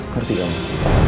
ngerti gak bu